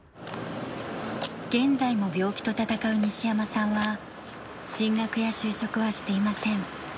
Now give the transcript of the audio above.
現在も病気と闘う西山さんは進学や就職はしていません。